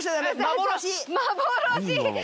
幻！